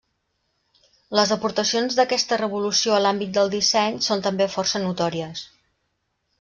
Les aportacions d'aquesta revolució a l'àmbit del disseny són també força notòries.